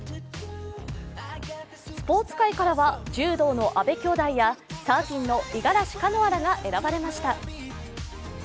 スポーツ界からは柔道の阿部きょうだいやサーフィンの五十嵐カノアらが選ばれました。